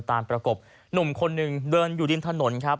ประกบหนุ่มคนหนึ่งเดินอยู่ริมถนนครับ